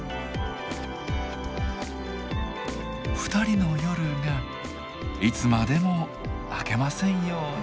２人の夜がいつまでも明けませんように！